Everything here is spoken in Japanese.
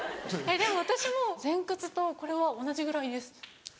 でも私も前屈とこれは同じぐらいです。